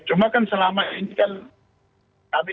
cuma kan selama ini kan kami tidak bisa mengambil sikap itu